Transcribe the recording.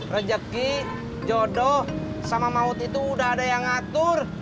rejeki jodoh sama maut itu udah ada yang ngatur